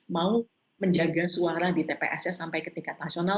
mau menjaga suara di tpsnya sampai ke tingkat nasional